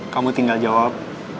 kamu tinggal jawab